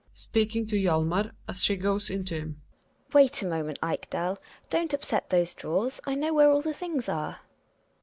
(Speaking to Hjalmar as she goes in to him.) Wait a moment, Ekdal, don't upset those drawers, I know where all the things are.